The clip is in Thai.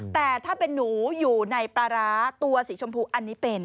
แต่ถ้าเป็นหนูอยู่ในปลาร้าตัวสีชมพูอันนี้เป็น